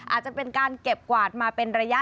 อาจจะเป็นการเก็บกวาดมาเป็นระยะ